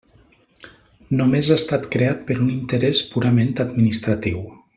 Només ha estat creat per un interès purament administratiu.